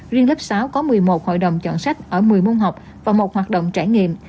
riêng lớp sáu có một mươi một hội đồng chọn sách ở một mươi môn học và một hoạt động trải nghiệm